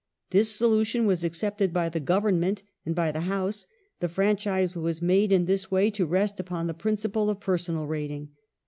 This solution was accepted by the Government and by the House ; the franchise was made in this way to rest upon the principle of pei sonal rating.